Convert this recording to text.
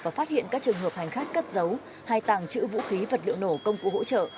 và phát hiện các trường hợp hành khách cất giấu hay tàng trữ vũ khí vật liệu nổ công cụ hỗ trợ